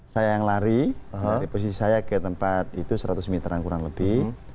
saya yang lari dari posisi saya ke tempat itu seratus meteran kurang lebih